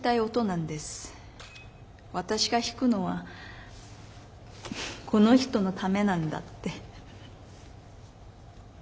私が弾くのはこの人のためなんだって。